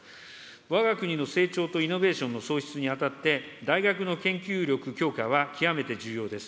わが国の成長とイノベーションの創出にあたって、大学の研究力強化は、極めて重要です。